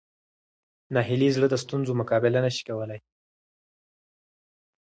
ناهیلي زړه د ستونزو مقابله نه شي کولی.